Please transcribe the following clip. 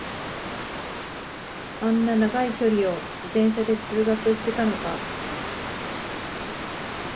あんな長い距離を自転車で通学してたのか